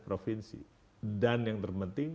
provinsi dan yang terpenting